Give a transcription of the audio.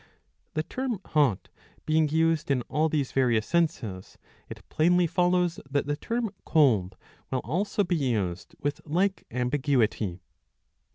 The term hot being used in all these various senses, it plainly follows that the term cold will also be used with like ambiguity.